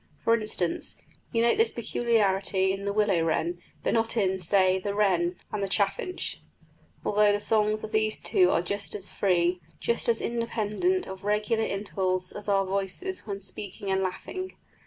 For instance, we note this peculiarity in the willow wren, but not in, say, the wren and chaffinch, although the songs of these two are just as free, just as independent of regular intervals as our voices when speaking and laughing.